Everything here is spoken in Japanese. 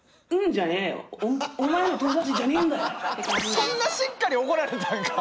そんなしっかり怒られたんか。